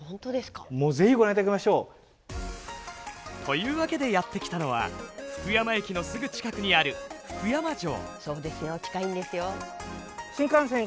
もう是非ご覧いただきましょう！というわけでやって来たのは福山駅のすぐ近くにある福山城。